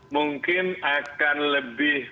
mungkin akan lebih